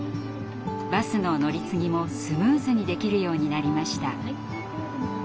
バスの乗り継ぎもスムーズにできるようになりました。